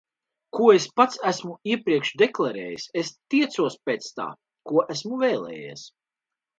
Ko es pats esmu iepriekš deklarējis, es tiecos pēc tā. Ko esmu vēlējies?